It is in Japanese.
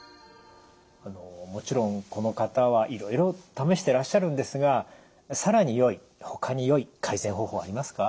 もちろんこの方はいろいろ試してらっしゃるんですが更によいほかによい改善方法はありますか？